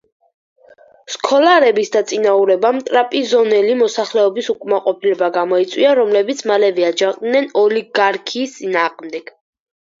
სქოლარების დაწინაურებამ ტრაპიზონელი მოსახლეობის უკმაყოფილება გამოიწვია, რომლებიც მალევე აჯანყდნენ ოლიგიარქიის წინააღმდეგ.